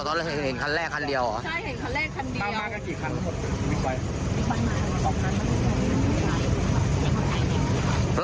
โอ้ตอนเห็นทันแรกท่านเดียวบ้ามาก